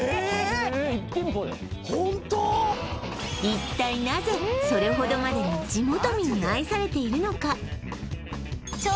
一体なぜそれほどまでに地元民に愛されているのか？